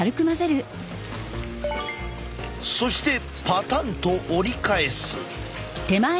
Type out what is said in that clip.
そしてパタンと折り返す。